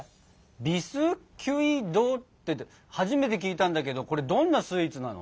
「ビスキュイ・ド」って初めて聞いたんだけどこれどんなスイーツなの？